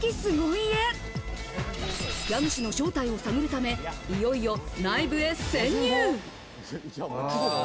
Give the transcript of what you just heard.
家主の正体を探るため、いよいよ内部へ潜入。